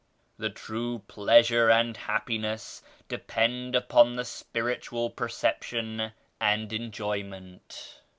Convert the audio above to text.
The true pleasure and happi ness depend upon the spiritual perception and enjoyment.